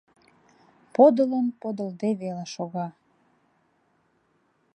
Подылын подылде веле шога: